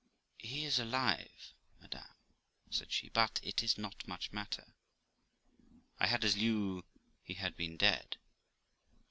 'He is alive, madam' said she. 'But it is not much matter; I had as lieu he had been dead.'